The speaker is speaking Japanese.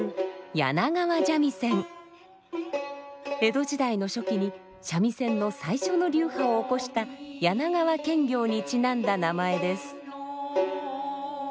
江戸時代の初期に三味線の最初の流派を興した柳川検校にちなんだ名前です。